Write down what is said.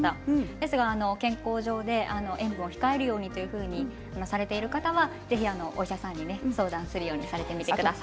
ですが、健康上塩分を控えるようにとされている方はぜひお医者さんに相談するようにしてみてください。